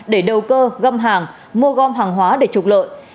để đầu cơ găm hàng mua gom hàng hóa để trục lợi